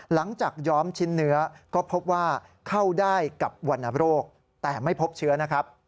ย้อมชิ้นเนื้อก็พบว่าเข้าได้กับวรรณโรคแต่ไม่พบเชื้อนะครับ